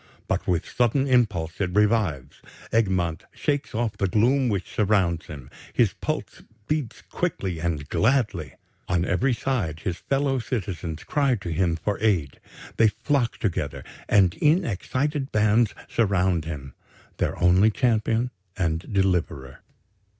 But with sudden impulse it revives; Egmont shakes off the gloom which surrounds him; his pulse beats quickly and gladly. On every side his fellow citizens cry to him for aid. They flock together, and in excited bands surround him, their only champion and deliverer.